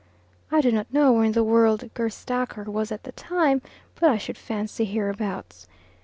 I do not know where in the world Gerstaeker was at the time, but I should fancy hereabouts.